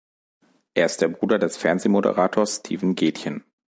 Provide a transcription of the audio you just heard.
Er ist der Bruder des Fernsehmoderators Steven Gätjen.